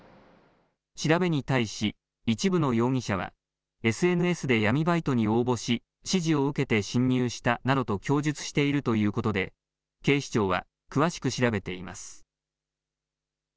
調べに対し一部の容疑者はＳＮＳで闇バイトに応募し指示を受けて侵入したなどと供述しているということで警視庁は詳しく調べています。